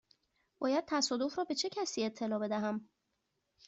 باید تصادف را به چه کسی اطلاع بدهم؟